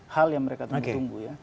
hal yang mereka tunggu tunggu ya